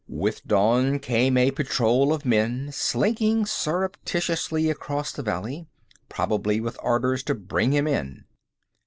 With dawn came a patrol of men, slinking surreptitiously across the valley, probably with orders to bring him in.